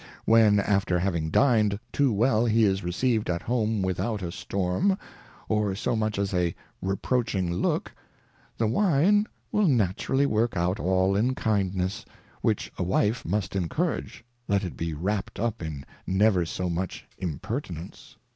When after having dined too well, he is received at home without a Storm, or so much as a reproaching Look, the Wine will naturally work out all in Kindness, which a Wife must encourage, let it be wrapped up in never so much Im pertinence.